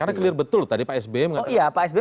karena clear betul tadi pak esby oh iya pak esby